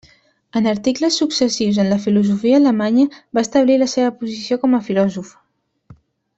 En articles successius en la filosofia alemanya va establir la seva posició com a filòsof.